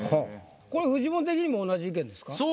これフジモン的にも同じ意見ですか？